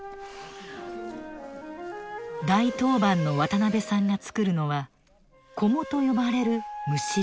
大当番の渡邉さんが作るのは「菰」と呼ばれるむしろ。